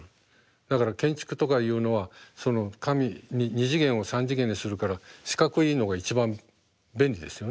だから建築とかいうのはその紙に２次元を３次元にするから四角いのが一番便利ですよね。